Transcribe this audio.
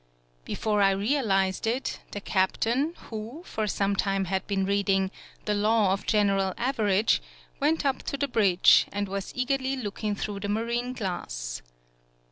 Be fore I realized it, the captain, who, for some time had been reading "The Law of General Average," went up to the bridge, and was eagerly looking through the marine glass.